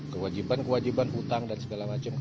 kewajiban kewajiban hutang dan segala macam